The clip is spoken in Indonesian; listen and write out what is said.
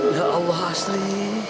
ya allah astri